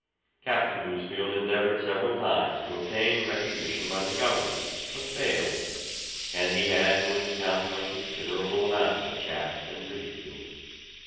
Captain Bousfield endeavoured several times to obtain recognition by the Government, but failed; and he had to encounter a considerable amount of chaff and ridicule.